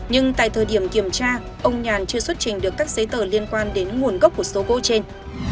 nhưng tại thời điểm kiểm tra ông nhàn chưa xuất trình được các giấy tờ liên quan đến nguồn gốc của số gỗ trên